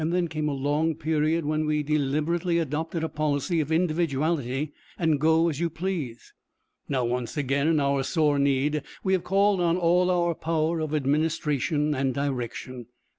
Then came a long period when we deliberately adopted a policy of individuality and 'go as you please.' Now once again in our sore need we have called on all our power of administration and direction.